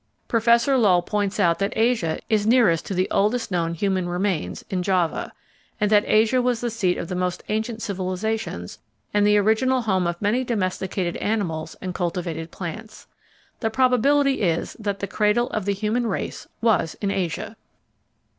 Professor Lull points out that Asia is nearest to the oldest known human remains (in Java), and that Asia was the seat of the most ancient civilisations and the original home of many domesticated animals and cultivated plants. The probability is that the cradle of the human race was in Asia.